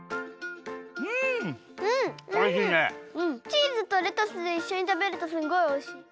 チーズとレタスでいっしょにたべるとすんごいおいしい。